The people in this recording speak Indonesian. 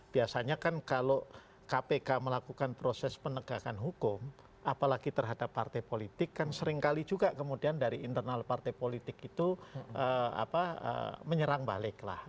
biasanya kan kalau kpk melakukan proses penegakan hukum apalagi terhadap partai politik kan seringkali juga kemudian dari internal partai politik itu menyerang balik lah